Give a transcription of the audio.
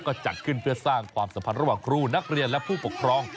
ก็จัดขึ้นเพื่อสร้างความสัมพันธ์ระหว่างครูนักเรียนและผู้ปกครอง